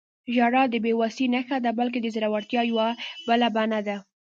• ژړا د بې وسۍ نښه نه ده، بلکې د زړورتیا یوه بله بڼه ده.